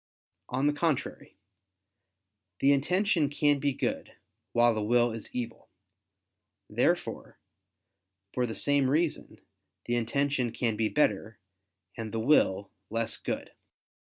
On the contrary, The intention can be good, while the will is evil. Therefore, for the same reason, the intention can be better, and the will less good.